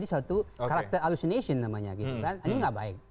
ini tidak baik